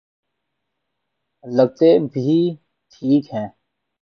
لگتے بھی ٹھیک ہیں۔